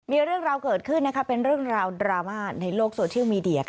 มีเรื่องราวเกิดขึ้นเป็นเรื่องราวดราม่าในโลกโซเชียลมีเดีย